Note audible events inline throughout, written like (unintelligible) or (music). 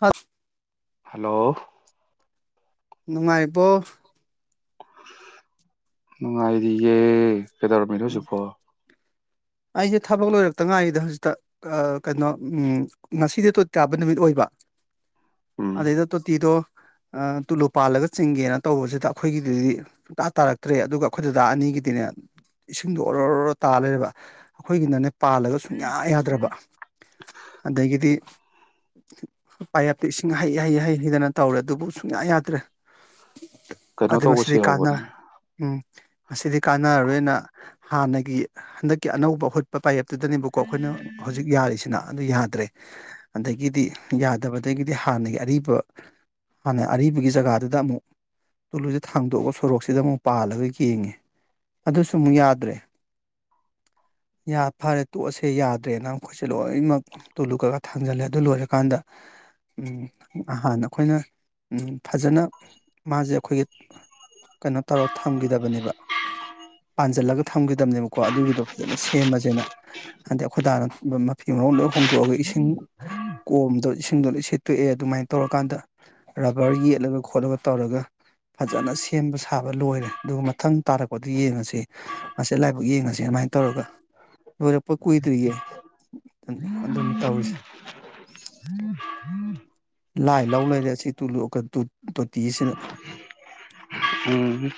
ꯍꯐ hello ꯅꯨꯡꯉꯥꯏꯕꯣ ꯅꯨꯡꯉꯥꯏꯔꯤꯌꯦꯦ ꯀꯦꯗꯧꯔꯃꯤ ꯊꯁꯨꯄꯣꯑꯣ ꯑꯩꯁꯦ ꯊꯕꯛ ꯂꯣꯏꯔꯛꯇ ꯉꯥꯏꯔꯤꯗ ꯍꯧꯖꯤꯛꯇ ꯀꯩꯅꯣ ꯉꯁꯤꯗꯤ ꯇꯣꯠ ꯇꯥꯕ ꯅꯨꯃꯤꯠ ꯑꯣꯏꯕ ꯎꯝ ꯑꯗꯩꯗ ꯇꯣ ꯇꯤꯗꯣ ꯇꯨꯂꯨ ꯄꯥꯜꯂꯒ ꯆꯤꯡꯒꯦꯅ ꯇꯧꯕꯁꯤꯗ ꯑꯩꯈꯣꯏꯒꯤꯗꯗꯤ ꯁꯨꯡꯇꯥ ꯇꯥꯔꯛꯇ꯭ꯔꯦ ꯑꯗꯨꯒ ꯑꯩꯈꯣꯏꯗꯨꯗꯥ ꯑꯅꯤꯒꯤꯗꯤꯅꯦ ꯏꯁꯤꯡꯗꯣ ꯑꯣꯔꯣꯔꯣ ꯇꯥ ꯂꯩꯕ ꯑꯩꯈꯣꯏꯒꯤꯅꯅꯦ ꯄꯥꯜꯂꯒ ꯁꯨꯡꯌꯥ ꯌꯥꯗ꯭ꯔꯕ ꯑꯗꯒꯤꯗꯤ ꯄꯌꯦꯞꯇ ꯏꯁꯤꯡ ꯍꯩ ꯍꯩ ꯍꯩ ꯍꯩꯗꯅ ꯇꯧꯔꯦ ꯑꯗꯨꯕꯨ ꯁꯨꯡꯌꯥ ꯌꯥꯗ꯭ꯔꯦ ꯀꯩꯅꯣ ꯑꯗꯨ ꯇꯧꯕꯁꯨ ꯃꯁꯤꯗꯤ ꯀꯥꯟꯅ ꯌꯥꯎꯕꯅꯦ ꯎꯝ ꯃꯁꯤꯗꯤ ꯀꯥꯟꯅꯔꯔꯣꯏꯅ ꯍꯥꯟꯅꯒꯤ ꯍꯟꯗꯛ ꯀꯤ ꯑꯅꯧꯕ ꯑꯍꯨꯠꯄ ꯄꯥꯏꯌꯦꯞꯇꯨꯗꯅꯦꯕꯀꯣ ꯑꯩꯈꯣꯏꯅ ꯍꯧꯖꯤꯛ ꯌꯥꯔꯤꯁꯤꯅ ꯑꯗꯨ ꯌꯥꯗ꯭ꯔꯦ ꯑꯗꯒꯤꯗꯤ ꯌꯥꯗꯕꯗꯒꯤꯗꯤ ꯍꯥꯟꯅꯒꯤ ꯑꯔꯤꯕ ꯍꯥꯟꯅ ꯑꯔꯤꯕꯒꯤ ꯖꯒꯥꯗꯨꯗ ꯑꯃꯨꯛ ꯇꯨꯂꯨꯁꯤꯦ ꯊꯥꯡꯗꯣꯛꯑꯒ ꯁꯣꯔꯣꯛꯁꯤꯗ ꯑꯃꯨꯛ ꯄꯥꯜꯂꯒ ꯌꯦꯡꯉꯦ ꯑꯗꯨꯁꯨ ꯑꯃꯨꯛ ꯌꯥꯗ꯭ꯔꯦ ꯌꯥ ꯐꯔꯦ ꯇꯣꯛꯑꯁꯦ ꯌꯥꯗ꯭ꯔꯦꯅ ꯃꯈꯣꯏꯁꯦ ꯂꯣꯏꯅꯃꯛ ꯇꯨꯂꯨ ꯈꯒ ꯊꯥꯡꯖꯜꯂꯦ ꯑꯗꯨ ꯂꯣꯏꯔꯀꯥꯟꯗ ꯑꯍꯥꯟꯅ ꯑꯩꯈꯣꯏꯅ ꯐꯖꯅ ꯃꯥꯁꯦ ꯑꯩꯈꯣꯏꯒꯤ ꯀꯩꯅꯣ ꯇꯧꯔ ꯊꯝꯈꯤꯗꯕꯅꯦꯕ ꯄꯥꯟꯁꯤꯜꯂꯒ ꯊꯝꯈꯤꯗꯕꯅꯦꯕꯀꯣ ꯑꯗꯨꯒꯤꯗꯣ ꯐꯖꯅ ꯁꯦꯝꯃꯁꯦꯅ ꯍꯥꯏꯗꯤ ꯑꯩꯈꯣꯏꯗꯥꯅ ꯃꯐꯤ ꯃꯔꯣꯡ ꯂꯣꯏ ꯍꯣꯡꯗꯣꯛꯑꯒ ꯏꯁꯤꯡ ꯀꯣꯝꯗꯣ ꯏꯁꯤꯡꯗꯣ ꯂꯣꯏ ꯁꯤꯦꯠꯇꯣꯛꯑꯦ ꯑꯗꯨꯃꯥꯏꯅ ꯇꯧꯔꯀꯥꯟꯗ ꯔꯕꯔ ꯌꯦꯠꯂꯒ ꯈꯣꯠꯂꯒ ꯇꯧꯔꯒ ꯐꯖꯅ ꯁꯦꯝꯕ ꯁꯥꯕ ꯂꯣꯏꯔꯦ ꯑꯗꯨꯒ ꯃꯊꯪ ꯇꯥꯔꯛꯄꯗ ꯌꯦꯡꯉꯁꯤ ꯃꯁꯤꯦ ꯂꯥꯏꯕꯛ ꯌꯦꯡꯉꯁꯤ ꯑꯗꯨꯃꯥꯏꯅ ꯇꯧꯔꯒ ꯂꯣꯏꯔꯛꯄ ꯀꯨꯏꯗ꯭ꯔꯤꯌꯦ ꯑꯗꯨꯅꯤ ꯇꯧꯔꯤꯁꯦ ꯂꯥꯏ ꯂꯧ ꯂꯩꯔꯦ ꯑꯁꯤ ꯇꯨ ꯇꯣꯇꯤꯁꯤꯅ ꯎꯝ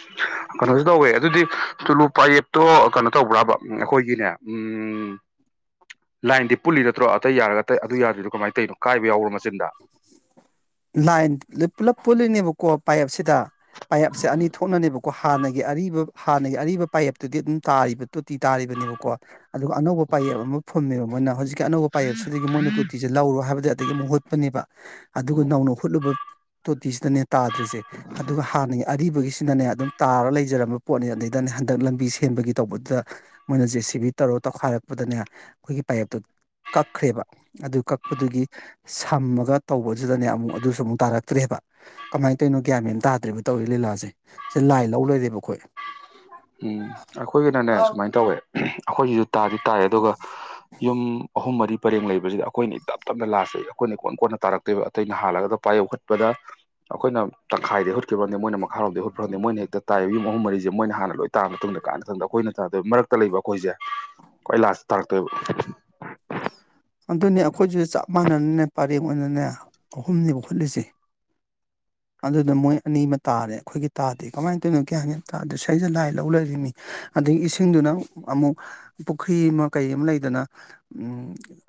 ꯀꯩꯅꯣꯁꯨ ꯇꯧꯋꯦ ꯑꯗꯨꯗꯤ ꯇꯨꯂꯨ ꯄꯥꯌꯦꯞꯇꯣ ꯀꯩꯅꯣ ꯇꯧꯕ꯭ꯔꯥꯕ ꯑꯩꯈꯣꯏꯒꯤꯅꯦ ꯎ ꯂꯥꯏꯟꯗꯤ ꯄꯨꯜꯂꯤ ꯅꯠꯇ꯭ꯔꯣ ꯑꯇꯩ ꯌꯥꯔꯒ ꯑꯇꯩ ꯑꯗꯨ ꯌꯥꯗꯣꯏꯔꯤꯗꯣ ꯀꯃꯥꯏꯅ ꯇꯧꯔꯤꯅꯣ ꯀꯥꯏꯕ ꯌꯥꯎꯕꯣ ꯃꯆꯤꯟꯗ ꯂꯥꯏꯟ ꯄꯨꯂꯞ ꯄꯣꯂꯤꯅꯤꯕ ꯀꯣ ꯄꯥꯏꯌꯦꯞꯁꯤꯗ ꯄꯥꯏꯌꯦꯞꯁꯦ ꯑꯅꯤ ꯊꯣꯛꯅꯅꯦꯕꯀꯣ ꯍꯥꯟꯅꯒꯤ ꯑꯔꯤꯕ ꯍꯥꯟꯅꯒꯤ ꯑꯔꯤꯕ ꯄꯥꯏꯌꯦꯞꯇꯨꯗꯤ ꯑꯗꯨꯝ ꯇꯥꯔꯤꯕ ꯇꯣꯇꯤ ꯇꯥꯔꯤꯕꯅꯦꯕꯀꯣ ꯑꯗꯨꯒ ꯑꯅꯧꯕ ꯄꯥꯌꯦꯞ ꯑꯃ ꯐꯨꯝꯃꯦꯕ ꯃꯣꯏꯅ ꯍꯧꯖꯤꯛꯀꯤ ꯑꯅꯧꯕ ꯄꯥꯏꯌꯦꯞꯁꯤꯗꯒꯤ ꯃꯣꯏꯅ ꯇꯣꯇꯤꯤꯁꯦ ꯂꯧꯔꯣ ꯍꯥꯏꯕꯗꯤ ꯑꯗꯒꯤ ꯑꯃꯨꯛ ꯍꯨꯠꯄꯅꯦꯕ ꯑꯗꯨꯒ ꯅꯧꯎꯅ ꯍꯣꯠꯂꯨꯕ ꯗꯤꯁꯗꯅꯦ ꯇꯥꯗ꯭ꯔꯤꯁꯦ ꯑꯗꯨꯒ ꯍꯥꯟꯅ ꯑꯔꯤꯕꯒꯤꯁꯤꯅꯅꯦ ꯑꯗꯨꯝ ꯇꯥꯔ ꯂꯩꯖꯔꯝꯕ ꯄꯣꯠꯅꯤ ꯑꯗꯨꯗꯩꯗꯅꯦ ꯍꯟꯗꯛ ꯂꯝꯕꯤ ꯁꯦꯝꯕꯒꯤ ꯇꯧꯕꯗꯨꯗ ꯃꯣꯏꯅ ꯖꯦ ꯁꯤ ꯕꯤ ꯇꯧꯔꯣ ꯇꯧꯈꯥꯏꯔꯛꯄꯗꯅꯦ ꯑꯩꯈꯣꯏꯒꯤ ꯄꯥꯏꯞꯇꯨ ꯀꯛꯈ꯭ꯔꯦꯕ ꯑꯗꯨ ꯀꯛꯄꯗꯨꯒꯤ ꯁꯝꯃꯒ ꯇꯧꯕ ꯁꯤꯗꯅꯦ ꯑꯃꯨꯛ ꯑꯗꯨꯁꯨ ꯑꯃꯨꯛ ꯇꯥꯔꯛꯇ꯭ꯔꯦꯕ ꯀꯃꯥꯏꯅ ꯇꯧꯔꯤꯅꯣ ꯒ꯭ꯌꯥꯟ ꯃ ꯇꯥꯗ꯭ꯔꯔꯤꯕꯕ ꯇꯧꯔꯤ ꯂꯤꯂꯥꯁꯦ ꯁꯤ ꯂꯥꯏ ꯂꯧ ꯂꯣꯏꯔꯦꯕꯈꯣꯣꯏ ꯎꯝ ꯑꯩꯈꯣꯏꯒꯤꯅꯅꯦ ꯁꯨꯃꯥꯏꯅ ꯇꯧꯋꯦ ꯑꯩꯈꯣꯏꯁꯤꯁꯨ ꯇꯥꯗꯤ ꯇꯥꯏ ꯑꯗꯨꯒ ꯌꯨꯝ ꯑꯍꯨꯝ ꯃꯔꯤ ꯄꯔꯦꯡ ꯂꯩꯕꯁꯤꯗ ꯑꯩꯈꯣꯏꯅ ꯇꯞ ꯇꯞꯅ ꯂꯥꯁꯆꯩ ꯑꯩꯈꯣꯏꯅ ꯀꯣꯟ ꯀꯣꯟꯅ ꯇꯥꯔꯛꯇꯣꯏꯕ ꯑꯇꯩ ꯅ ꯍꯥꯜꯂꯒ ꯄꯥꯏ ꯌꯧꯨꯠꯄꯗ ꯑꯩꯈꯣꯏꯅ ꯇꯪꯈꯥꯏꯗꯩ ꯍꯨꯠꯈ꯭ꯔꯝꯅꯦ ꯃꯣꯏꯅ ꯃꯈꯥꯔꯣꯝꯗꯩ ꯍꯨꯠꯈ꯭ꯔꯕꯝꯅꯤ ꯃꯣꯏꯅ ꯍꯦꯛꯇ ꯇꯥꯏꯑꯕ ꯌꯨꯝ ꯑꯍꯨꯝ ꯃꯔꯤꯁꯦ ꯃꯣꯏꯅ ꯍꯥꯟꯅ ꯂꯣꯏ ꯇꯥꯔ ꯃꯇꯨꯡꯗ ꯀꯥꯟꯪꯗ ꯑꯩꯈꯣꯏꯅ ꯇꯥꯗꯣꯏ ꯃꯔꯛꯇ ꯂꯩꯕ ꯑꯩꯈꯣꯏꯁꯦ ꯑꯩ ꯂꯥꯁꯇ ꯇꯥꯔꯛꯇꯣꯏꯕ ꯑꯗꯨꯅꯤ ꯑꯩꯈꯣꯏꯁꯨꯁꯨ ꯆꯞ ꯃꯥꯟꯅꯅꯅꯦ ꯄꯔꯦꯡ ꯑꯣꯏꯅꯅꯦ ꯑꯍꯨꯝꯅꯦꯕ ꯍꯨꯠꯂꯤꯁꯦ ꯑꯗꯨꯗ ꯃꯣꯏ ꯑꯅꯤ ꯑꯃ ꯇꯥꯔꯦ ꯑꯩꯈꯣꯏꯒꯤ ꯇꯥꯗꯦ ꯀꯃꯥꯏꯅ ꯇꯧꯔꯤꯅꯣ ꯀꯌꯥꯒꯦ ꯇꯗ ꯁꯁ ꯂꯥꯏ ꯂꯧ ꯂꯩꯔꯤꯅꯤ ꯑꯗꯒꯤ ꯏꯁꯤꯡꯗꯨꯅ ꯑꯃꯨꯛ ꯄꯨꯈ꯭ꯔꯤ ꯑꯃ ꯀꯩ ꯑꯃ ꯂꯩꯗꯅ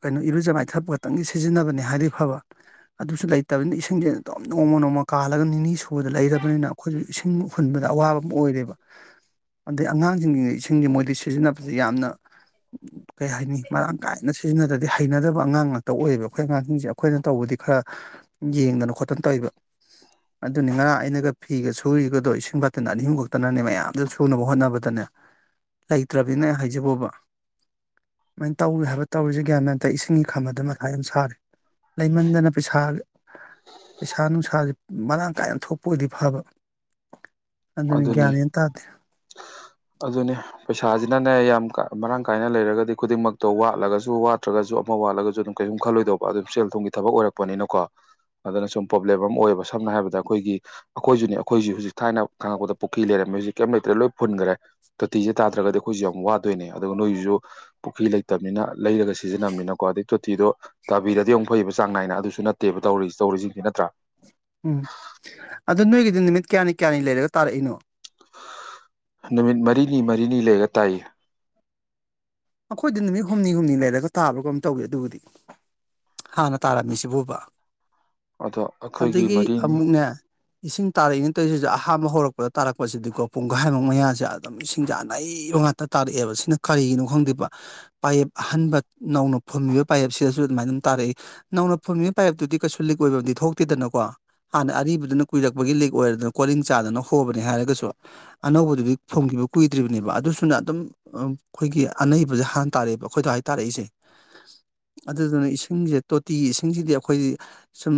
ꯀꯩꯅꯣ ꯏꯔꯨꯖ ꯃꯥꯏꯊꯛꯄ ꯈꯛꯇꯪꯒꯤ ꯁꯤꯖꯤꯟꯅꯕꯅꯦ ꯍꯥꯏꯗꯤ ꯐꯕ ꯑꯗꯨꯁꯨ ꯂꯩꯇꯕꯅꯤꯅ ꯏꯁꯤꯡꯁꯦ ꯑꯗꯨꯝ ꯅꯣꯡꯃ ꯅꯣꯡꯃ ꯀꯥꯜꯂꯒ ꯅꯤꯅꯤ ꯁꯨꯕꯗ ꯂꯩꯔꯕꯅꯤꯅ ꯑꯩꯈꯣꯏꯁꯨ ꯏꯁꯤꯡ ꯍꯨꯟꯕꯗ ꯑꯋꯥꯕ ꯑꯃ ꯑꯣꯏꯔꯦꯕ ꯑꯗꯩ ꯑꯉꯥꯡꯁꯤꯡꯁꯤ ꯏꯁꯤꯡꯁꯦ ꯃꯣꯏꯗꯤ ꯁꯤꯖꯤꯟꯅꯕꯁꯦ ꯌꯥꯝꯅ ꯀꯩ ꯍꯥꯏꯅꯤ ꯃꯔꯥꯡ ꯀꯥꯏꯅ ꯁꯤꯖꯤꯟꯅꯗ ꯑ ꯍꯩꯅꯗꯕ ꯑꯉꯥꯡ ꯉꯥꯛꯇ ꯑꯣꯏꯌꯦꯕ ꯑꯩꯈꯣꯏ ꯑꯉꯥꯡꯁꯤꯡꯁꯦ ꯑꯩꯈꯣꯏꯅ ꯇꯧꯕꯗꯤ ꯈꯔ ꯌꯦꯡꯗꯅ ꯈꯣꯠꯇꯅ ꯇꯧꯕ ꯑꯗꯨꯅꯤ ꯉꯔꯥꯡ ꯑꯩꯅꯒ ꯐꯤꯒ ꯁꯨꯔꯤꯒꯗꯣ ꯏꯁꯤꯡ ꯐꯠꯇꯅ ꯑꯅꯤ ꯑꯍꯨꯝ ꯈꯛꯇꯅꯅꯦ ꯃꯌꯥꯝꯁꯨ ꯁꯨꯅꯕ ꯍꯣꯠꯅꯕꯗꯅꯦ ꯂꯩꯇ꯭ꯔꯕꯅꯤꯅ ꯍꯥꯏꯖꯕꯣꯕ ꯑꯗꯨꯃꯥꯏꯅ ꯇꯧꯋꯦ ꯍꯥꯏꯕ ꯇꯧꯔꯤꯁꯦ ꯑꯇ ꯏꯁꯤꯡꯒꯤ ꯈꯥꯝꯕꯗ ꯃꯊꯥ ꯌꯥꯝ ꯁꯥꯔꯤ ꯂꯩꯃꯟꯗꯅ ꯄꯩꯁꯥ ꯄꯩꯁꯥ ꯅꯨꯡꯁꯥꯥꯁ ꯃꯔꯥꯡ ꯀꯥꯏꯅ ꯊꯣꯛꯄꯕꯨꯗꯤ ꯐꯕ ꯑꯗꯨꯅꯤ ꯒ꯭ꯌꯥꯟ ꯃꯦꯟ ꯇꯥꯗꯦ ꯑꯗꯨꯅꯦ ꯄꯩꯁꯥꯁꯤꯅꯅꯦ ꯌꯥꯝ ꯃꯔꯥꯡ ꯀꯥꯏꯅ ꯂꯩꯔꯒꯗꯤ ꯈꯨꯗꯤꯡꯃꯛꯇꯣ ꯋꯥꯠꯂꯒꯁꯨ ꯋꯥꯠꯇ꯭ꯔꯒꯁꯨ ꯑꯃ ꯋꯥꯠꯂꯒꯁꯨ ꯑꯗꯨꯝ ꯀꯩꯁꯨꯝ ꯈꯜꯂꯣꯏꯗꯧꯕ ꯑꯗꯨꯝ ꯁꯦꯜ ꯊꯨꯝꯒꯤ ꯊꯕꯛ ꯑꯣꯏꯔꯛꯄꯅꯤꯅꯀꯣ ꯑꯗꯨꯅ ꯁꯨꯝ ꯄ꯭ꯔꯣꯕ꯭ꯂꯦꯝ ꯑꯃ ꯑꯣꯏꯌꯦꯕ ꯁꯝꯅ ꯍꯥꯏꯔꯕꯗ ꯑꯩꯈꯣꯏꯒꯤ ꯑꯩꯈꯣꯏꯁꯨꯅꯦ ꯑꯩꯈꯣꯏꯁꯤ ꯍꯧꯖꯤꯛ ꯊꯥꯏꯅ ꯈꯪꯉꯛꯄꯗ ꯄꯨꯈ꯭ꯔꯤ ꯂꯩꯔꯝꯃꯤ ꯍꯧꯖꯤꯛ ꯀꯩꯝ ꯂꯩꯇ꯭ꯔꯦ ꯂꯣꯏ ꯐꯨꯟꯈ꯭ꯔꯦ ꯇꯣꯇꯤꯁꯦ ꯇꯥꯗ꯭ꯔꯒꯗꯤ ꯑꯩꯈꯣꯏꯁꯨ ꯌꯥꯝ ꯋꯥꯗꯣꯏꯅꯦ ꯑꯗꯨꯒ ꯅꯣꯏꯁꯨ ꯄꯨꯈ꯭ꯔꯤ ꯂꯩꯇꯕꯅꯤꯅ ꯂꯩꯔꯒ ꯁꯤꯖꯤꯟꯅꯕꯅꯤꯅꯀꯣ ꯑꯗꯩ ꯇꯣꯇꯤꯗꯣ ꯇꯥꯕꯤꯔꯗꯤ ꯌꯥꯝ ꯐꯩꯌꯦꯕ ꯆꯥꯡ ꯅꯥꯏꯅ ꯑꯗꯨꯁꯨ ꯅꯠꯇꯦꯕ ꯇꯧꯔꯤ ꯇꯧꯔꯤꯁꯤꯡꯁꯤ ꯅꯠꯇ꯭ꯔꯥ ꯎꯝ ꯑꯗꯨ ꯅꯣꯏꯒꯤꯗꯤ ꯅꯨꯃꯤꯠ ꯀꯌꯥꯅꯤ ꯀꯌꯥꯅꯤ ꯂꯩꯔꯒ ꯇꯥꯔꯛꯏꯅꯣ ꯍ ꯅꯨꯃꯤꯠ ꯃꯔꯤꯅꯤ ꯃꯔꯤꯅꯤ ꯂꯩꯒ ꯇꯥꯏꯌꯦ ꯑꯈꯣꯏꯗꯤ ꯅꯨꯃꯤꯠ ꯍꯨꯝꯅꯤ ꯍꯨꯝꯅꯤ ꯂꯩꯔꯒ ꯇꯥꯕ꯭ꯔꯥ ꯀꯩꯅꯣꯝ ꯇꯧꯏ ꯑꯗꯨꯕꯨꯗꯤ ꯍꯥꯟꯅ ꯇꯥꯔꯝꯃꯤꯁꯤꯕꯨꯕ ꯑꯗꯣ ꯑꯩꯈꯣꯏꯒꯤ ꯑꯗꯒꯤ ꯃꯔꯤꯅꯤ ꯑꯃꯨꯛꯅꯦ ꯏꯁꯤꯡ ꯇꯥꯔꯛꯏ ꯑꯇꯩꯁꯤꯗ ꯑꯍꯥꯟꯕ ꯍꯧꯔꯛꯄꯗ ꯇꯥꯔꯛꯄꯁꯤꯗꯤꯀꯣ ꯄꯨꯡꯒꯥꯏꯃꯨꯛ ꯃꯌꯥꯖꯦ ꯑꯗꯨꯝ ꯏꯁꯤꯡꯁꯦ ꯑꯅꯩꯕ ꯉꯥꯛꯇ ꯇꯥꯔꯛꯑꯦꯕ ꯁꯤꯅ ꯀꯔꯤꯒꯤꯅꯣ ꯈꯪꯗꯦ ꯄꯥꯏꯌꯦꯞ ꯑꯍꯟꯕ ꯅꯧꯅ ꯐꯨꯝꯃꯤꯕ ꯄꯥꯏꯌꯦꯞꯁꯤꯗꯁꯨ ꯑꯗꯨꯃꯥꯏꯅ ꯑꯗꯨ ꯇꯥꯔꯛꯏ ꯅꯧꯅ ꯐꯨꯝꯃꯤꯕ ꯄꯥꯏꯞꯇꯨꯗꯤ ꯀꯩꯁꯨ ꯂꯤꯛ ꯑꯣꯏꯕꯝꯗꯤ ꯊꯣꯛꯇꯦꯗꯅꯀꯣ ꯍꯥꯟꯅ ꯑꯔꯤꯕꯗꯨꯅ ꯀꯨꯏꯔꯛꯄꯒꯤ ꯂꯤꯛ ꯑꯣꯏꯔꯗꯅ ꯀꯣꯂꯤꯡ ꯆꯥꯗꯅ ꯍꯣꯕꯅꯦ ꯍꯥꯏꯔꯒꯁꯨ ꯑꯅꯧꯕꯗꯨꯗꯤ ꯐꯨꯝꯒꯤꯕ ꯀꯨꯏꯗ꯭ꯔꯤꯕꯅꯦꯕ ꯑꯗꯨꯁꯨꯅ ꯑꯗꯨꯝ ꯑꯝ ꯑ ꯈꯣꯏꯒꯤ ꯑꯅꯩꯕꯖꯦ ꯍꯥꯟ ꯇꯥꯔꯛꯑꯦꯕ ꯑꯩꯈꯣꯏꯗꯥꯏ ꯇꯥꯔꯛꯏꯁꯦ ꯑꯗꯨꯗꯨꯅ ꯏꯁꯤꯡꯖꯦ ꯇꯣꯇꯤꯒꯤ ꯏꯁꯤꯡꯖꯤꯗꯤ ꯑꯩꯈꯣꯏꯗꯤ ꯁꯨꯝ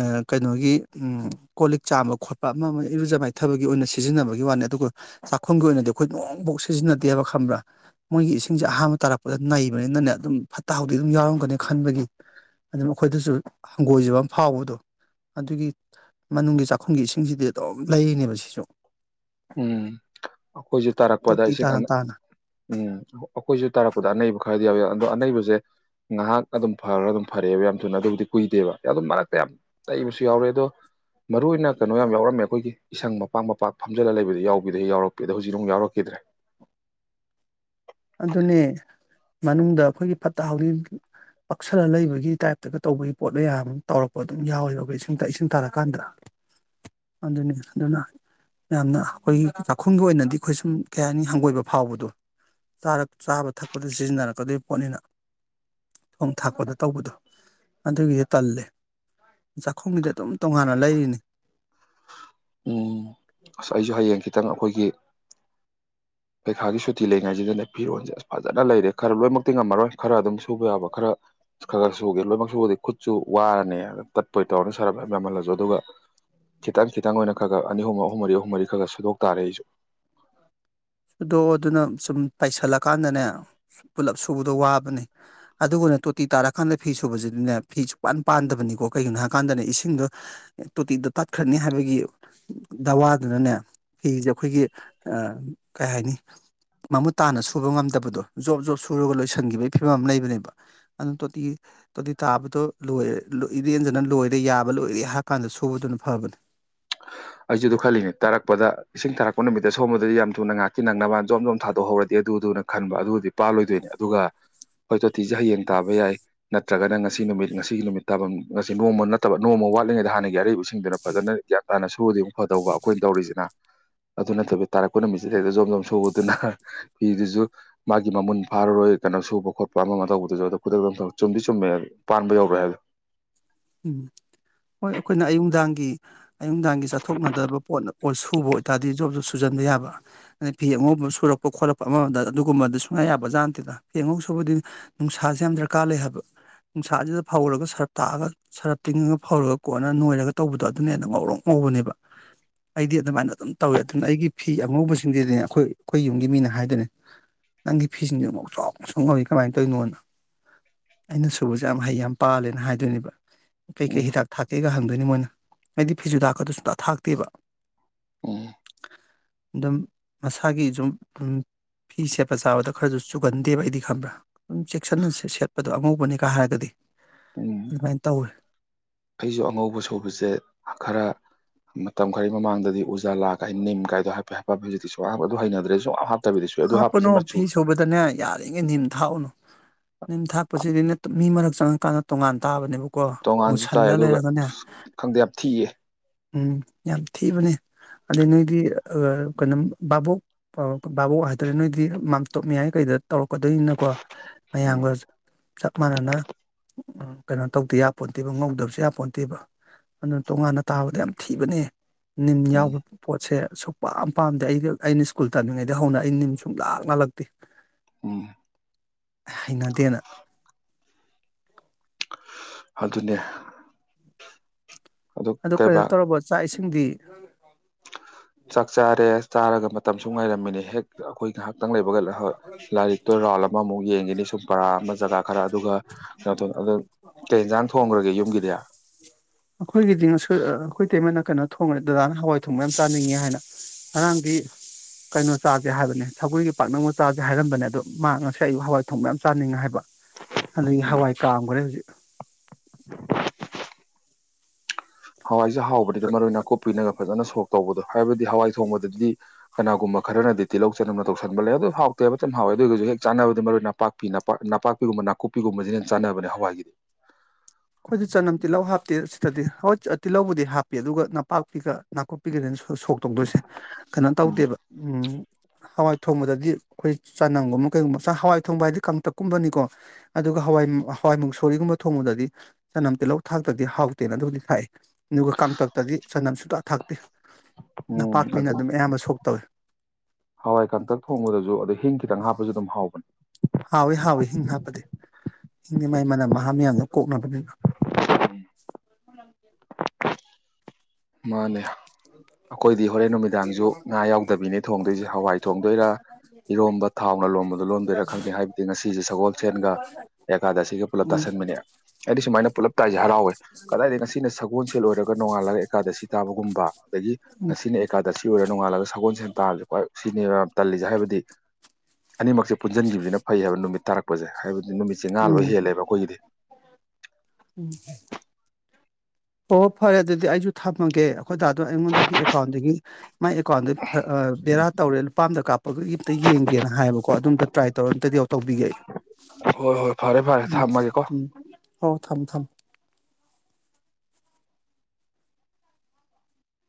ꯑꯥ ꯀꯩꯅꯣꯒꯤ ꯎꯝ ꯀꯣ ꯂꯤꯛ ꯆꯥꯝꯕ ꯈꯣꯠꯄ ꯑꯃ ꯑꯃ ꯏꯔꯨꯖ ꯃꯥꯏꯊꯕꯒꯤ ꯑꯣꯏꯅ ꯁꯤꯟ ꯁꯤꯖꯤꯟꯅꯕꯒꯤ ꯋꯥꯅꯤ ꯑꯗꯨꯒ ꯆꯥꯛꯈꯨꯝꯒꯤ ꯑꯣꯏꯅꯗꯤ ꯑꯈꯣꯏ ꯅꯣꯡꯕꯣꯛ ꯁꯤ ꯁꯤꯖꯤꯟꯅꯗꯦꯕ ꯈꯪꯕ꯭ꯔꯥ ꯃꯣꯏꯒꯤ ꯏꯁꯤꯡꯖꯦ ꯑꯍꯥꯟꯕ ꯇꯥꯔꯛꯄꯗ ꯅꯩꯕꯅꯤꯅꯅꯦ ꯑꯗꯨꯝ ꯐꯠꯇ ꯍꯥꯎꯗꯤ ꯑꯗꯨꯝ ꯌꯥꯎꯔꯝꯒꯅꯤ ꯈꯟꯕꯒꯤ ꯑꯗꯨꯝ ꯑꯈꯣꯏꯗꯁꯨ ꯍꯪꯒꯣꯏꯖꯕ ꯃ ꯐꯥꯎꯕꯗꯣ ꯑꯗꯨꯒꯤ ꯃꯅꯨꯡꯒꯤ ꯆꯥꯛꯈꯨꯝꯒꯤ ꯏꯁꯤꯡꯁꯤꯗꯤ ꯑꯗꯨꯝ ꯂꯩꯔꯤꯅꯦꯕ ꯁꯤꯁꯨ ꯎꯝ ꯑꯩꯈꯣꯏꯁꯖꯨ ꯇꯥꯔꯛꯄꯗ ꯇꯣꯇꯤ ꯏꯁꯤꯡ ꯇꯥꯅ ꯑꯅꯩ ꯇꯥꯅ ꯎꯝ ꯍ ꯑꯩꯈꯣꯏꯖꯨ ꯇꯥꯔꯛꯄꯗ ꯑꯅꯩꯕ ꯈꯔ ꯗꯤ ꯌꯥꯎꯏ ꯑꯗꯣ ꯑꯅꯩꯕꯖꯦ ꯉꯥꯏꯍꯥꯛ ꯑꯗꯨꯝ ꯐꯔꯒ ꯑꯗꯨꯝ ꯐꯔꯛꯑꯦꯕ ꯌꯥꯝ ꯊꯨꯅ ꯑꯗꯨꯕꯨꯗꯤ ꯀꯨꯏꯗꯦꯕ ꯑꯗꯨꯝ ꯃꯔꯛꯇ ꯌꯥꯝ ꯅꯩꯕꯁꯨ ꯌꯥꯎꯔꯦ ꯑꯗꯣ ꯃꯔꯨ ꯑꯣꯏꯅ ꯀꯩꯅꯣ ꯌꯥꯝ ꯌꯥꯎꯔꯝꯃꯦ ꯑꯈꯣꯏꯒꯤ ꯏꯁꯪ ꯃꯄꯥꯛ ꯃꯄꯥꯛ ꯇꯣ ꯈꯣꯝꯖꯤꯜꯂ ꯂꯩꯕꯗꯤ ꯌꯥꯎꯕꯗꯤ ꯌꯥꯎꯔꯛꯄꯦ ꯗꯣ ꯍꯧꯖꯤꯛ ꯑꯃꯨꯛ ꯌꯥꯎꯔꯛꯈꯤꯗ꯭ꯔꯦ ꯑꯗꯨꯅꯦ ꯃꯅꯨꯡꯗ ꯑꯈꯣꯏꯒꯤ ꯐꯠꯇ ꯍꯥꯎꯗꯤ ꯄꯛꯁꯜꯂ ꯂꯩꯕꯒꯤ ꯇꯥꯏꯞꯇꯒ ꯇꯧꯕꯒꯤ ꯄꯣꯠ ꯃꯌꯥꯝ ꯑꯃ ꯇꯧꯔꯛꯄ ꯑꯗꯨꯝ ꯌꯥꯎꯋꯦꯕ ꯏꯁꯤꯡ ꯏꯁꯤꯡ ꯇꯥꯔꯀꯥꯟꯗ ꯑꯗꯨꯅꯦ ꯑꯗꯨꯅ ꯌꯥꯝꯅ ꯑꯈꯣꯏꯒꯤ ꯆꯥꯛꯈꯨꯝꯒꯤ ꯑꯣꯏꯅꯗꯤ ꯑꯩꯈꯣꯏ ꯁꯨꯝ ꯀꯩ ꯍꯥꯏꯅꯤ ꯍꯪꯒꯣꯏꯕ ꯐꯥꯎꯕꯗꯣ ꯆꯥꯔꯛ ꯆꯥꯕ ꯊꯛꯄꯗ ꯁꯤꯖꯤꯟꯅꯔꯛꯀꯗꯣꯏ ꯄꯣꯠꯅꯤꯅ ꯊꯣꯡ ꯊꯥꯛꯄꯗ ꯇꯧꯕꯗꯣ ꯑꯗꯨꯒꯤ ꯇꯜꯂꯦ ꯆꯥꯛꯈꯨꯝꯒꯤꯗꯤ ꯑꯗꯨꯝ ꯇꯣꯉꯥꯟꯅ ꯂꯩꯔꯤꯅꯤ ꯎꯝ ꯑꯁ ꯑꯩꯖꯨ ꯍꯌꯦꯡꯈꯤꯠ ꯈꯤꯇꯪ ꯑꯩꯈꯣꯏꯒꯤ ꯄꯩꯈꯥꯒꯤ ꯁꯨꯇꯤ ꯂꯩꯉꯩꯖꯤꯗꯅꯦ ꯐꯤꯔꯣꯟꯜꯖꯦ ꯑꯁ ꯐꯖꯅ ꯂꯩꯔꯦ ꯈꯔ ꯂꯣꯏꯅꯃꯛꯇꯤ ꯉꯝꯃꯔꯣꯏ ꯈꯔ ꯑꯗꯨꯝ ꯁꯨꯕ ꯌꯥꯕ ꯈꯔ ꯈ ꯒ ꯁꯨꯒꯦ ꯂꯣꯏꯅꯃꯛ ꯁꯨꯕꯗꯤ ꯈꯨꯠꯁꯨ ꯋꯥꯔꯅꯤ ꯇꯠꯄꯣꯏ ꯇꯧꯔ ꯁꯔꯕ ꯃꯌꯥꯝ ꯌꯥꯝꯃꯜꯂꯁꯨ ꯑꯗꯨꯒ ꯈꯤꯇꯪ ꯈꯤꯇꯪ ꯑꯣꯏꯅ ꯈꯔ ꯈꯔ ꯑꯅꯤ ꯍꯨꯝꯃꯨꯛ ꯑꯍꯨꯝ ꯃꯔꯤ ꯑꯍꯨꯝ ꯃꯔꯤ ꯈꯔ ꯈ ꯁꯨꯗꯣꯛ ꯇꯥꯔꯦ ꯑꯩꯁꯨ ꯁꯨꯗꯣꯛꯑꯣ ꯑꯗꯨꯅ ꯁꯨꯝ ꯄꯥꯏꯁꯜꯂꯀꯥꯟꯗꯅꯦ ꯄꯨꯂꯞ ꯁꯨꯕꯗꯣ ꯋꯥꯕꯅꯤ ꯑꯗꯨꯒꯅꯦ ꯇꯣꯇꯤ ꯇꯥꯔꯀꯥꯟꯗ ꯐꯤ ꯁꯨꯕꯖꯤꯗꯤꯅꯦ ꯐꯤꯁꯨꯄꯥꯟ ꯄꯥꯟꯗꯕꯅꯤꯀꯣ ꯀꯩꯒꯤꯅꯣ ꯍꯥꯏꯀꯥꯟꯗꯅꯦ ꯏꯁꯤꯡꯗꯣ ꯇꯣꯇꯤꯗ ꯇꯠꯈ꯭ꯔꯅꯤ ꯍꯥꯏꯕꯒꯤ ꯗꯋꯥꯗꯨꯅꯅꯦ ꯐꯤꯖꯦ ꯑꯈꯣꯏꯒꯤ ꯀꯩ ꯍꯥꯏꯅꯤ ꯃꯃꯨꯠ ꯇꯥꯅ ꯁꯨꯕ ꯉꯝꯗꯕꯗꯣ ꯖꯣꯞ ꯖꯣꯞ ꯁꯨꯔꯒ ꯂꯣꯏꯁꯤꯟꯒꯤꯕꯩ ꯐꯤꯕꯝ ꯑꯃ ꯂꯩꯕꯅꯦꯕ ꯑꯗꯨꯅ ꯇꯣꯇꯤ ꯇꯣꯇꯤ ꯇꯥꯕꯗꯣ ꯂꯣꯏꯔꯦ ꯂꯣꯏ ꯏꯔꯦꯟꯖꯅ ꯂꯣꯏꯔꯦ ꯌꯥꯕ ꯂꯣꯏꯔꯦ ꯍꯥꯏꯔꯀꯥꯟꯗ ꯁꯨꯕꯗꯨꯅ ꯐꯕꯅꯦ ꯑꯩꯖꯨ ꯑꯗꯨ ꯈꯜꯂꯤꯅꯦ ꯇꯥꯔꯛꯄꯗ ꯏꯁꯤꯡ ꯇꯥꯔꯛꯄ ꯅꯨꯃꯤꯠꯇ ꯁꯣꯝꯃꯗꯤ ꯌꯥꯝ ꯊꯨꯅ ꯉꯍꯥꯛꯀꯤ ꯅꯪꯅꯕ ꯖꯣꯝꯖꯣꯝ ꯊꯥꯗꯣꯛꯍꯧꯔꯗꯤ ꯑꯗꯨ ꯗꯨꯅ ꯈꯟꯕ ꯑꯗꯨꯗꯤ ꯄꯥꯜꯂꯣꯏꯗꯣꯏꯅꯤ ꯑꯗꯨꯒ ꯍꯣꯏ ꯇꯣꯇꯤꯖꯦ ꯍꯌꯦꯡ ꯇꯥꯕ ꯌꯥꯏ ꯅꯠꯇ꯭ꯔꯒꯅ ꯉꯁꯤ ꯅꯨꯃꯤꯠ ꯉꯁꯤꯒꯤ ꯅꯨꯃꯤꯠ ꯇꯥꯐꯝ ꯉꯁꯤ ꯅꯣꯡꯃ ꯅꯠꯇꯕ ꯅꯣꯡꯃ ꯋꯥꯠꯂꯤꯉꯩꯗ ꯍꯥꯟꯅꯒꯤ ꯑꯔꯩꯕ ꯁꯤ ꯁꯤꯡꯗꯨꯅ ꯐꯖꯅ ꯇꯥꯅ ꯁꯨꯔꯗꯤ ꯑꯃꯨꯛ ꯐꯗꯧꯕ ꯑꯈꯣꯏ ꯇꯧꯔꯤꯖꯤꯅ ꯑꯗꯨ ꯅꯠꯇꯕꯤ ꯇꯥꯔꯛꯄ ꯅꯨꯃꯤꯠꯁꯤꯗ ꯍꯦꯛꯇ ꯖꯣꯝ ꯖꯣꯝ ꯁꯨꯕꯗꯨꯅ ꯍꯥ ꯐꯤꯗꯨꯖꯨ ꯃꯥꯒꯤ ꯃꯃꯨꯟ ꯐꯥꯔꯔꯣꯏ ꯀꯩꯅꯣ ꯁꯨꯕ ꯈꯣꯠꯄ ꯑꯃ ꯑꯃ ꯇꯧꯕꯗꯨꯖꯨ ꯑꯗꯨ ꯈꯨꯗꯛꯇ ꯆꯨꯝꯗꯤ ꯆꯨꯝꯃꯦ ꯄꯥꯟꯕ ꯌꯧꯔꯣꯏ ꯍꯥꯌꯕꯗꯣ ꯎꯝ ꯍꯣꯏ ꯑꯩꯈꯣꯏꯅ ꯑꯌꯨꯛꯗꯥꯡꯒꯤ ꯑꯌꯨꯛꯗꯥꯡꯒꯤ ꯆꯠꯊꯣꯛꯅꯗꯕ ꯄꯣꯠꯅ ꯑꯣ ꯁꯨꯕ ꯑꯣꯏꯇꯥꯗꯤ ꯖꯣꯕ ꯖꯣꯕ ꯁꯨꯖꯟꯕ ꯌꯥꯕ ꯑꯗꯩ ꯐꯤ ꯑꯉꯧꯕ ꯁꯨꯔꯛꯄ ꯈꯣꯠꯂꯛꯄ ꯑꯃꯗ ꯑꯗꯨꯒꯨꯝꯕꯗꯤ ꯁꯨꯡꯌꯥ ꯌꯥꯕ ꯖꯥꯠ ꯅꯠꯇꯦꯅ ꯐꯤ ꯑꯉꯧ ꯁꯨꯕꯗꯤ ꯅꯨꯡꯁꯥꯁꯦ ꯌꯥꯝ ꯗꯔꯀꯥꯔ ꯂꯩ ꯍꯥꯏꯕ ꯅꯨꯡꯁꯥꯖꯤꯗ ꯐꯧꯔꯒ ꯁꯔꯞ ꯇꯥꯛꯑꯒ ꯁꯔꯞ ꯇꯤꯡꯉꯒ ꯐꯧꯔꯒ ꯀꯣꯟꯅ ꯅꯣꯏꯔꯒ ꯇꯧꯕꯗꯣ ꯑꯗꯨꯅ ꯍꯦꯟꯅ ꯉꯧꯔꯣꯛ ꯉꯧꯕꯅꯦꯕ ꯑꯩꯗꯤ ꯑꯗꯨꯃꯥꯏꯅ ꯑꯗꯨꯝ ꯇꯧꯋꯦ ꯑꯗꯨꯅ ꯑꯩꯒꯤ ꯐꯤ ꯑꯉꯧꯕꯁꯤꯡꯁꯤꯗꯤꯅꯦ ꯑꯈꯣꯏ ꯑꯈꯣꯏ ꯌꯨꯝꯒꯤ ꯃꯤꯅ ꯍꯥꯏꯗꯣꯏꯅꯤ ꯅꯪꯒꯤ ꯐꯤꯁꯤꯡꯖꯤ ꯉꯧꯁꯣꯛ ꯉꯧꯁꯣꯛ ꯉꯧꯏ ꯀꯃꯥꯏꯅ ꯇꯧꯏꯅꯣꯅ ꯑꯩꯅ ꯁꯨꯕꯖꯦ ꯌꯥꯝ ꯍꯩ ꯌꯥꯝ ꯄꯥꯜꯂꯦꯅ ꯍꯥꯏꯗꯣꯏꯅꯦ ꯀꯩ ꯀꯩ ꯎꯝ ꯍꯤꯗꯥꯛ ꯊꯥꯛꯀꯦꯒ ꯍꯪꯉꯤ ꯗꯨꯏꯅꯤ ꯃꯣꯏꯅ ꯑꯩꯗꯤ ꯐꯤꯖꯨꯗꯥꯛꯀꯗꯨ ꯁꯨꯊꯥꯛ ꯊꯥꯛꯇꯦꯕ ꯎꯝ ꯑꯗꯨꯝ ꯃꯁꯥꯒꯤ ꯖꯨꯝ ꯎꯝ ꯐꯤ ꯁꯦꯠꯄ ꯆꯥꯕꯗ ꯈꯔꯖꯨ ꯆꯨꯒꯟꯗꯦꯕ ꯑꯩꯗꯤ ꯈꯪꯕ꯭ꯔꯥ ꯑꯗꯨꯝ ꯆꯦꯛꯁꯤꯟꯅ ꯁꯦꯠꯄꯗꯣ ꯑꯉꯧꯕꯅꯤꯒ ꯍꯥꯏꯔꯒꯗꯤ ꯑꯗꯨꯃꯥꯏꯅ ꯇꯧꯋꯦ ꯑꯩꯖꯨ ꯑꯉꯧꯕ ꯁꯨꯕꯖꯦ ꯈꯔ ꯃꯇꯝ ꯈꯔꯒꯤ ꯃꯃꯥꯡꯗꯗꯤ ꯎꯖꯥꯂꯥ ꯀꯥꯏ ꯅꯤꯝ ꯀꯥꯏꯗꯣ ꯍꯥꯏꯐꯦꯠ ꯍꯥꯏꯄꯃꯤ ꯍꯧꯖꯤꯛꯇꯤ ꯁꯨꯍꯥꯞ ꯑꯗꯨ ꯍꯩꯅꯗ꯭ꯔꯦ ꯁꯨꯍꯥꯞ ꯍꯥꯞ ꯍꯥꯞꯄꯨꯅꯣ ꯐꯤ ꯁꯨꯕꯗꯅꯦ ꯌꯥꯔꯤꯉꯩ ꯅꯤꯝ ꯊꯥꯛꯎꯅꯨ ꯅꯤꯝ ꯊꯥꯛꯄꯁꯤꯗꯤꯅꯦ ꯃꯤ ꯃꯔꯛ ꯆꯪꯉꯀꯥꯟꯗ ꯇꯣꯉꯥꯟ ꯇꯥꯕꯅꯦꯕ ꯇꯣꯡꯉꯥꯟꯁꯨ ꯇꯥꯏ ꯑꯗꯨꯒ ꯈꯪꯗꯦ ꯌꯥꯝ ꯊꯤꯌꯦ ꯎꯝ ꯌꯥꯝ ꯊꯤꯕꯅꯦ ꯑꯗꯩ ꯅꯣꯏꯒꯤ ꯀꯩꯅꯣ ꯕꯥꯥꯕꯣꯛ ꯕꯥꯕꯣꯛ ꯍꯥꯏꯇꯥꯔꯦ ꯅꯣꯏꯗꯤ ꯃꯥꯝꯇꯣꯞ ꯃꯌꯥꯏ ꯀꯩꯗ ꯇꯧꯔꯛꯀꯗꯣꯏꯅꯤꯅꯀꯣ ꯎꯝ ꯃꯌꯥꯝꯒ ꯆꯞ ꯃꯥꯟꯅꯅ ꯎ ꯀꯩꯅꯣ ꯇꯧꯗ ꯌꯥ ꯄꯣꯟꯇꯦꯕ ꯉꯧꯗꯕꯁꯨ ꯌꯥ ꯄꯣꯟꯇꯦꯕ ꯑꯗꯨꯅ ꯇꯣꯉꯥꯟꯅ ꯇꯥꯕꯗ ꯌꯥꯝ ꯊꯤꯕꯅꯦ ꯅꯤꯝ ꯎꯝ ꯌꯥꯎꯕ ꯄꯣꯠꯁꯦ ꯁꯛꯄꯝ ꯄꯥꯝꯗꯦ ꯑꯩꯗꯤ ꯑꯩꯅ ꯁ꯭ꯀꯨꯜ ꯇꯥꯅꯤꯡꯉꯩꯗ ꯑꯗꯨ ꯍꯧꯅ ꯑꯩ ꯅꯤꯝ ꯁꯨꯝ ꯂꯥꯛ ꯉꯥꯜꯂꯛꯇꯦ ꯎꯝ ꯍꯩꯅꯗꯦꯅ ꯑꯗꯨꯅꯦ ꯑꯗꯨ ꯀꯩꯅꯣ ꯇꯧꯔꯕ ꯆꯥꯛ ꯏꯁꯤꯡꯗꯤ ꯎꯝ ꯆꯥꯛ ꯆꯥꯔꯦ ꯆꯥꯔꯒ ꯃꯇꯝꯝꯁꯨ ꯉꯥꯏꯔꯝꯃꯤꯅꯦ ꯍꯦꯛ ꯑꯩꯈꯣꯏ ꯉꯥꯏꯍꯥꯛꯇꯪ ꯂꯩꯕꯒ ꯂꯥꯏꯔꯤꯛꯇꯣ ꯔꯥꯎꯜ ꯑꯃꯃꯨꯛ ꯌꯦꯡꯈꯤꯅꯤ ꯁꯨꯝ ꯄꯔꯥ ꯑꯃ ꯖꯒꯥ ꯈꯔ ꯑꯗꯨꯒ ꯀꯩꯅꯣ ꯇ ꯇꯦꯟꯖꯥꯡ ꯊꯣꯡꯈ꯭ꯔꯒꯦ ꯌꯨꯝꯒꯤꯗꯤ ꯑꯩꯈꯣꯏꯒꯤꯗꯤ ꯉꯁꯣꯏ ꯑꯩꯈꯣꯏ ꯏꯇꯩꯃꯅ ꯀꯩꯅꯣ ꯊꯣꯡꯕꯅꯤ ꯗꯗꯥꯅ ꯍꯋꯥꯏ ꯊꯣꯡꯕ ꯌꯥꯝ ꯆꯥꯅꯤꯡꯉꯦ ꯍꯥꯏꯅ ꯉꯔꯥꯡꯗꯤ ꯀꯩꯅꯣ ꯆꯥꯁꯦ ꯍꯥꯏꯕꯅꯦ ꯁꯒꯜꯒꯤ ꯄꯥꯛꯅꯅꯕ ꯆꯥꯁꯦ ꯍꯥꯏꯔꯝꯕꯅꯦ ꯑꯗꯣ ꯃꯥ ꯉꯁꯥꯏ ꯑꯌꯨꯛ ꯍꯋꯥꯏ ꯊꯣꯡ ꯃ ꯌꯥꯝ ꯆꯥꯅꯤꯡꯉꯦ ꯍꯥꯏꯕ ꯑꯗꯒꯤ ꯎꯝ ꯍꯋꯥꯏ ꯀꯥꯝꯈ꯭ꯔꯦ ꯍꯧꯖꯤꯛ ꯍꯋꯥꯏꯁꯦ ꯍꯥꯎꯕꯗꯨꯗ ꯃꯔꯣꯏ ꯅꯥꯀꯨꯞꯄꯤꯅꯒ ꯐꯖꯅ ꯁꯣꯛ ꯇꯧꯕꯗꯣ ꯍꯥꯏꯕꯗꯤ ꯍꯋꯥꯏ ꯊꯣꯡꯕꯗꯗꯤ ꯀꯅꯥꯒꯨꯝꯕ ꯈꯔꯅꯗꯤ ꯇꯤꯜꯍꯧ ꯆꯅꯝꯅ ꯇꯧꯁꯟꯕ ꯂꯩ ꯑꯗꯨ ꯍꯥꯎꯇꯦ ꯐꯖꯅ ꯍꯥꯎꯋꯦ ꯑꯗꯨ ꯑꯣꯏꯒꯤꯒꯁꯨ ꯍꯦꯛ ꯆꯥꯟꯅꯕꯗꯤ ꯃꯔꯣꯏ ꯅꯥꯄꯥꯛꯄꯤꯄꯥꯛ ꯅꯅꯥꯄꯥꯛꯄꯤꯒꯨꯝꯕ ꯅꯥꯀꯨꯞꯄꯤꯒꯨꯝꯕꯁꯤꯅ ꯍꯦꯛ ꯆꯥꯟꯅꯕꯅꯦ ꯍꯋꯥꯏꯒꯤꯗꯤ ꯑꯩꯈꯣꯏꯗꯤ ꯆꯅꯝ ꯇꯤꯜꯍꯧ ꯍꯥꯞꯇꯦ ꯁꯤꯗꯗꯤ ꯍꯣꯏ ꯇꯤꯜꯍꯧꯕꯨꯗꯤ ꯍꯥꯞꯄꯤ ꯑꯗꯨꯒ ꯅꯄꯥꯛꯄꯤꯒ ꯅꯥꯀꯨꯞꯄꯤꯒꯗꯅ ꯁ ꯁꯣꯛ ꯇꯧꯗꯣꯏꯁꯦ ꯀꯩꯅꯣ ꯎꯝ ꯇꯧꯗꯦꯕ ꯍꯋꯥꯏ ꯊꯣꯡꯕꯗꯗꯤ ꯑꯩꯈꯣꯏ ꯆꯅꯝꯒꯨꯝꯕ ꯀꯩꯒꯨꯝꯕ ꯍꯋꯥꯏ ꯊꯣꯡꯕ ꯍꯥꯏꯗꯤ ꯀꯪꯇꯛꯀꯨꯝꯕꯅꯤꯀꯣ ꯑꯗꯨꯒ ꯍꯋꯥꯏ ꯍꯋꯥꯏꯃꯨꯛ ꯁꯣꯔꯤꯒꯨꯝꯕ ꯊꯣꯡꯕꯗꯗꯤ ꯆꯅꯝ ꯇꯤꯍꯧ ꯊꯥꯛꯇ꯭ꯔꯗꯤ ꯍꯥꯎꯇꯦꯅ ꯑꯗꯨꯕꯨꯗꯤ ꯊꯥꯏ ꯑꯗꯨꯒ ꯀꯥꯡꯇꯛꯇꯗꯤ ꯆꯅꯝ ꯁꯨꯇ ꯊꯛ (unintelligible) ꯎꯝ ꯑ ꯍꯋꯥꯏ ꯀꯟꯇꯛ ꯊꯣꯡꯕꯗꯁꯨ ꯑ ꯍꯤꯡ ꯈꯤꯇꯪ ꯍꯥꯞꯄꯁꯨ ꯑꯗꯨꯝ ꯍꯥꯎꯕꯅꯤ ꯍꯥꯎꯏꯤ ꯍꯥꯎꯏꯤ ꯍꯤꯡ ꯍꯥꯞꯄꯗꯤ ꯍꯤꯡꯗꯤ ꯃꯥꯏ ꯃꯅꯝ ꯃꯍꯥ ꯃꯌꯥꯝꯗ ꯀꯣꯛꯅꯕꯅꯤꯅ (unintelligible) ꯃꯥꯅꯦ ꯑꯩꯈꯣꯏꯗꯤ ꯍꯣꯔꯦꯟ ꯅꯨꯃꯤꯗꯥꯡꯁꯨ ꯉꯥ ꯌꯥꯎꯗꯕꯤꯅꯤ ꯊꯣꯡꯗꯣꯏꯁꯦ ꯍꯋꯥꯏ ꯊꯣꯡꯗꯣꯏꯔꯥ ꯏꯔꯣꯝꯕ ꯊꯥꯎꯅ ꯂꯣꯟꯝꯕꯗꯣ ꯂꯣꯟꯝꯗꯣꯏꯔꯥ ꯈꯪꯗꯦ ꯍꯥꯏꯕꯗꯤ ꯉꯁꯤꯁꯦ ꯁꯒꯣꯜ ꯁꯦꯟꯒ ꯑꯦꯀꯥꯗ ꯑꯁꯤꯒ ꯄꯨꯂꯞ ꯎꯝ ꯇꯥꯁꯟꯕꯅꯦ ꯑꯩꯗꯤ ꯁꯨꯃꯥꯏꯅ ꯄꯨꯂꯞ ꯇꯥꯏꯁꯦ ꯍꯔꯥꯎꯋꯦ ꯀꯗꯥꯏꯗ ꯉꯁꯤꯅ ꯁꯒꯣꯜꯁꯦꯜ ꯑꯣꯏꯔꯒ ꯅꯣꯡꯉꯥꯜꯂꯒ ꯑꯁꯤ ꯇꯥꯕꯒꯨꯝꯕ ꯑꯗꯒꯤ ꯎꯝ ꯉꯁꯤꯅ ꯑꯦꯀꯥꯗꯔꯁꯤ ꯑꯣꯏꯔ ꯅꯣꯡꯉꯥꯜꯂꯒ ꯁꯒꯣꯜ ꯁꯦꯟ ꯇꯥꯔꯁꯨ ꯍꯣꯏ ꯁꯤꯅꯤ ꯇꯜꯂꯤꯁꯦ ꯍꯥꯏꯕꯗꯤ ꯑꯅꯤꯃꯛꯁꯦ ꯄꯨꯟꯁꯤꯟꯈꯤꯕꯁꯤꯅ ꯐꯩ ꯍꯥꯏꯕ ꯅꯨꯃꯤꯠ ꯇꯥꯔꯛ ꯄꯄꯁꯦ ꯍꯥꯏꯕꯗꯤ ꯅꯨꯃꯤꯠꯁꯦ ꯉꯥ ꯂꯣꯏ ꯎꯝ ꯍꯦꯜꯂꯦꯕ ꯑꯩꯈꯣꯏꯒꯤꯗꯤ ꯎꯝ ꯑꯣꯣ ꯐꯔꯦ ꯑꯗꯨꯗꯤ ꯑꯩꯁꯨ ꯊꯝꯃꯒꯦ ꯑꯩꯈꯣꯏꯗꯥꯗꯣ ꯑꯩꯉꯣꯟꯗꯒꯤ ꯑꯦꯀꯥꯎꯟꯗꯒꯤ ꯃꯥꯏ ꯑꯦꯀꯥꯎꯟꯗꯩ ꯕꯦꯔꯥ ꯇꯧꯔꯦ ꯂꯨꯄꯥ ꯑ ꯑꯃꯝꯇ ꯀꯥꯞꯄꯒ ꯑꯝꯇ ꯌꯦꯡꯒꯦꯅ ꯍꯥꯏꯌꯦꯕꯀꯣ ꯑꯗꯨꯝꯇ ꯇ꯭ꯔꯥꯏ ꯇꯧꯔ ꯑꯝꯇꯗꯤ ꯌꯥ ꯇꯧꯕꯤꯒꯦ ꯑꯩ ꯍꯣꯏ ꯍꯣꯏ ꯐꯔꯦ ꯐꯔꯦ ꯎꯝ ꯊꯝꯃꯒꯦꯀꯣ ꯎꯝ ꯍꯣꯏ ꯊꯝ ꯊꯝ